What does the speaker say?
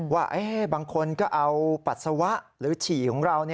ว่าบางคนก็เอาปัสสาวะหรือฉี่ของเรา